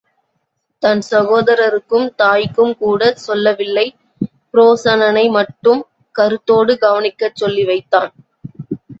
தன் சகோதரருக்கும் தாய்க்கும் கூடச் சொல்லவில்லை, புரோசனனை மட்டும் கருத்தோடு கவனிக்கச் சொல்லி வைத்தான்.